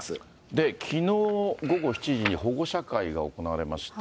で、きのう午後７時に保護者会が行われまして。